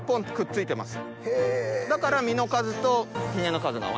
だから。